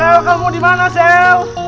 sel kamu dimana sel